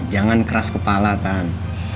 jangan keras kepala tan